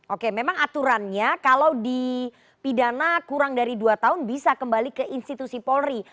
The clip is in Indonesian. oke memang aturannya kalau dipidana kurang dari dua tahun bisa kembali ke institusi polri